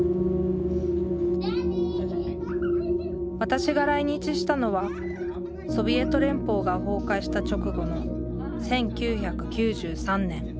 私が来日したのはソビエト連邦が崩壊した直後の１９９３年。